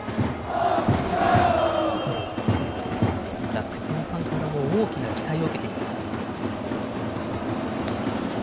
楽天ファンからも大きな期待を受けています。